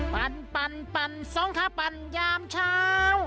ปั่นปั่นปั่นสองข้าวปั่นยามเช้า